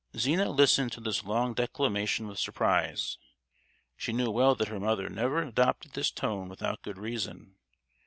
Zina listened to this long declamation with surprise. She knew well that her mother never adopted this tone without good reason.